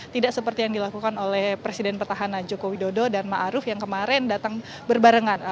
tidak seperti yang dilakukan oleh presiden petahana joko widodo dan ⁇ maruf ⁇ yang kemarin datang berbarengan